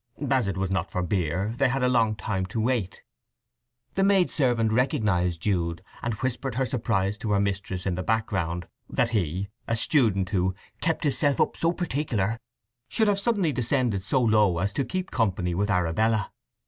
As it was not for beer they had a long time to wait. The maid servant recognized Jude, and whispered her surprise to her mistress in the background, that he, the student "who kept hisself up so particular," should have suddenly descended so low as to keep company with Arabella.